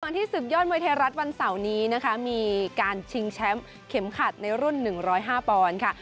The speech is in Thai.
ที่ศึกยอดมวยไทยรัฐวันเสาร์นี้นะคะมีการชิงแชมป์เข็มขัดในรุ่น๑๐๕ปอนด์ค่ะ